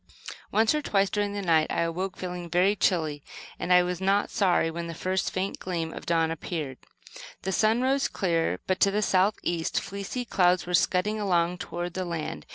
Once or twice during the night I awoke feeling very chilly, and I was not sorry when the first faint gleam of dawn appeared. The sun rose clear, but, to the south east, fleecy clouds were scudding along toward the land.